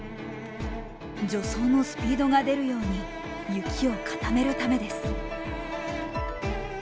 助走のスピードが出るように雪を固めるためです。